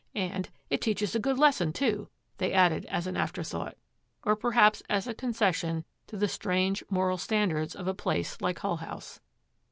and, 'It teaches a good lesson, too,' they added as an afterthought, or perhaps as a concession to the strange moral standards of a place like Hull House.